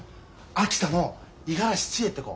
秋田の五十嵐千恵って子。